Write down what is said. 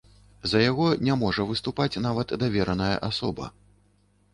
За яго не можа выступаць нават давераная асоба.